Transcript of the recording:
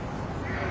はい。